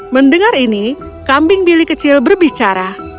mendengar ini kambing bili kecil berbicara